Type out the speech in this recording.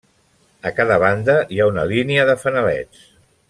A cada banda hi ha una línia de fanalets.